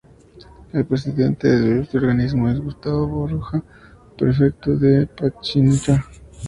El presidente de este organismo es Gustavo Baroja, prefecto de Pichincha.